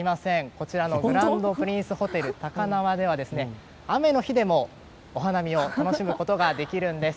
こちらのグランドプリンスホテル高輪では雨の日でもお花見を楽しむこととができるんです。